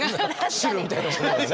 汁みたいなものがね。